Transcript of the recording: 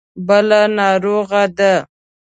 بله ناروغه ده.